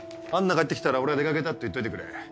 帰って来たら俺は出掛けたって言っといてくれ。